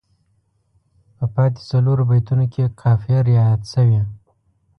په پاتې څلورو بیتونو کې یې قافیه رعایت شوې.